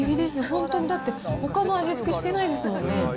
本当にだって、ほかの味付けしてないですもんね。